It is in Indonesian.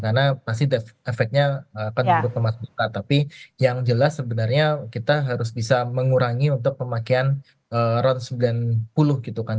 karena pasti efeknya akan berubah kemas bukan tapi yang jelas sebenarnya kita harus bisa mengurangi untuk pemakaian ron sembilan puluh gitu kan